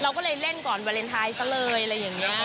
ก็เลยเล่นก่อนวาเลนไทยซะเลยอะไรอย่างนี้